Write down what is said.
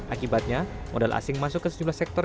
akibatnya modal asing masuk ke tujuh belas sektor